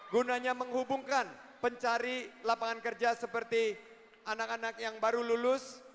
gunanya menghubungkan pencari lapangan kerja seperti anak anak yang baru lulus